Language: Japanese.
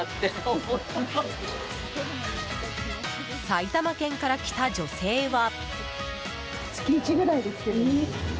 埼玉県から来た女性は。